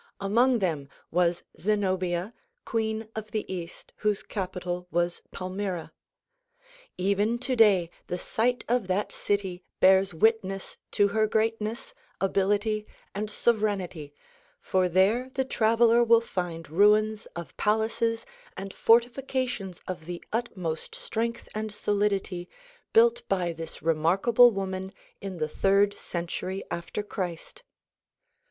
Among them was Zenobia queen of the east whose capitol was Palmyra. Even today the site of that city bears witness to her greatness, ability and sovereignty, for there the traveler will find ruins of palaces and fortifications of the ut most strength and solidity built by this remarkable woman in the third century after Christ.